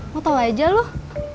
mau tau aja loh